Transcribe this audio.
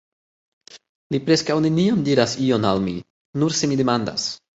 Li preskaŭ neniam diras ion al mi..., nur se mi demandas.